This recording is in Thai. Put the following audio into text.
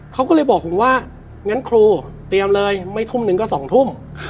เขาก็เลยบอกผมว่างั้นครูเตรียมเลยไม่ทุ่มหนึ่งก็๒ทุ่ม